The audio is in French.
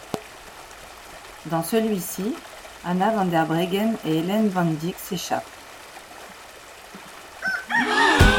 Dans celui-ci, Anna van der Breggen et Ellen van Dijk s'échappent.